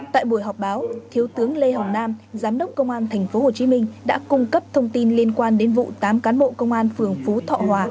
tại buổi họp báo thiếu tướng lê hồng nam giám đốc công an tp hcm đã cung cấp thông tin liên quan đến vụ tám cán bộ công an phường phú thọ hòa